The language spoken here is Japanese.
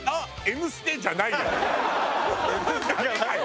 『Ｍステ』」じゃないよ。